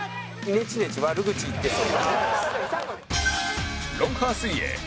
ネチネチ悪口言ってそう。